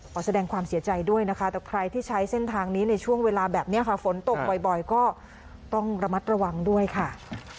ขอแสดงความเสียใจด้วยนะคะแต่ใครที่ใช้เส้นทางนี้ในช่วงเวลาแบบนี้ค่ะฝนตกบ่อยก็ต้องระมัดระวังด้วยค่ะ